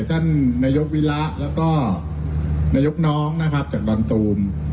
ท่านนายกวิระแล้วก็นายกน้องนะครับจากดอนตูม